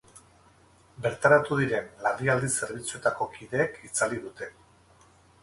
Bertaratu diren larrialdi zerbitzuetako kideek itzali dute.